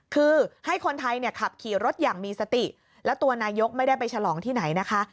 คือให้คนไทยเนี่ยขับขี่รถอย่างมีสติแล้วตัวนายกไม่ได้ไปฉลองที่ไหนนะคะ